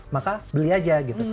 maka beli aja gitu